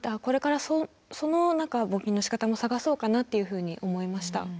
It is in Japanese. これからその募金のしかたも探そうかなっていうふうに思いました。